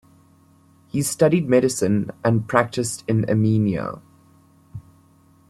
He studied medicine, and practiced in Amenia.